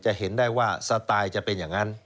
เห็นได้ว่าสไตล์จะเป็นอย่างนั้น